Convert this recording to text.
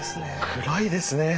暗いですね。